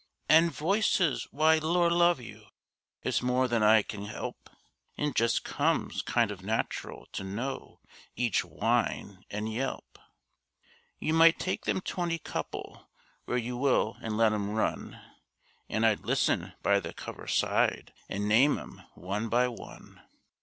And voices—why, Lor' love you, it's more than I can 'elp, It just comes kind of natural to know each whine an' yelp; You might take them twenty couple where you will and let 'em run, An' I'd listen by the coverside and name 'em one by one.